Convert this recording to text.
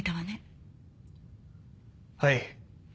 はい。